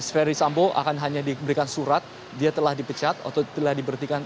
ferry sambo akan hanya diberikan surat dia telah dipecat atau telah diberhentikan